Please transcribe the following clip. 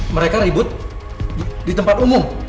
mereka ribut di tempat umum